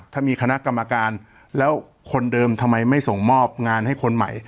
ถ้ามีคณะกรรมการแล้วคนเดิมทำไมไม่ส่งมอบงานให้คนใหม่